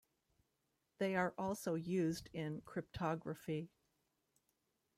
They are also used in cryptography.